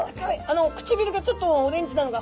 唇がちょっとオレンジなのが。